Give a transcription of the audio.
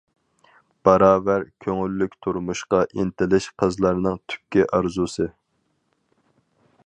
باراۋەر كۆڭۈللۈك تۇرمۇشقا ئىنتىلىش قىزلارنىڭ تۈپكى ئارزۇسى!